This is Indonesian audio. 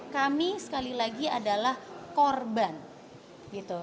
kami sekali lagi adalah korban gitu